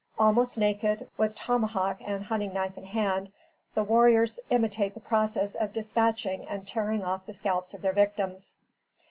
Almost naked, with tomahawk and hunting knife in hand, the warriors imitate the process of dispatching and tearing off the scalps of their victims.